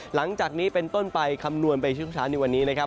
หลังจากนี้เป็นต้นไปคำนวณไปช่วงเช้าในวันนี้นะครับ